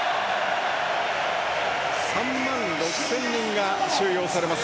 ３万６０００人が収容されます